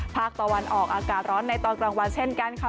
ภาคตะวันออกอากาศร้อนในตอนกลางวันเช่นกันค่ะ